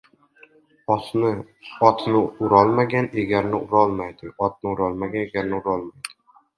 • Otni urolmagan egarni uradi.